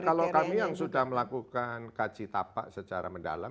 kalau kami yang sudah melakukan kaji tapak secara mendalam